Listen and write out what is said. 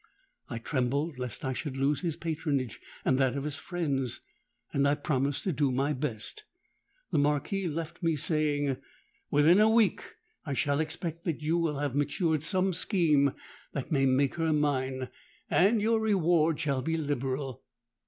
I trembled lest I should lose his patronage and that of his friends; and I promised to do my best. The Marquis left me, saying, 'Within a week I shall expect that you will have matured some scheme that may make her mine; and your reward shall be liberal.'